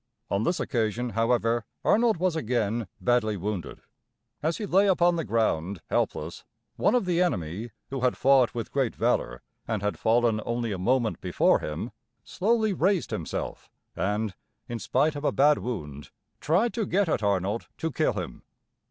On this occasion, however, Arnold was again badly wounded. As he lay upon the ground, helpless, one of the enemy, who had fought with great valor and had fallen only a moment before him, slowly raised himself, and, in spite of a bad wound, tried to get at Arnold to kill him.